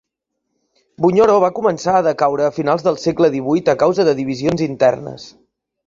Bunyoro va començar a decaure a finals del segle XVIII a causa de divisions internes.